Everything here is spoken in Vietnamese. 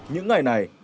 những ngày này